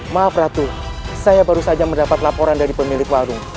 maaf ratu saya baru saja mendapat laporan dari pemilik warung